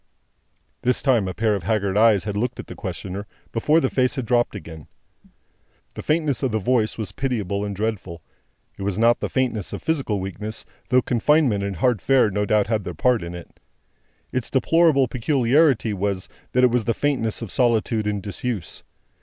This time, a pair of haggard eyes had looked at the questioner, before the face had dropped again. The faintness of the voice was pitiable and dreadful. It was not the faintness of physical weakness, though confinement and hard fare no doubt had their part in it. Its deplorable peculiarity was, that it was the faintness of solitude and disuse.